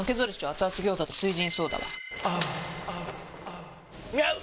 アツアツ餃子と「翠ジンソーダ」はカラン合う！！